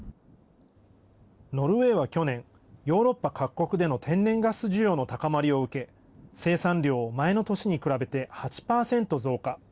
ノルウェーは去年ヨーロッパ各国での天然ガス需要の高まりを受け生産量を前の年に比べて８％増加。